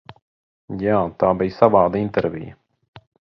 Jā, tā bija savāda intervija.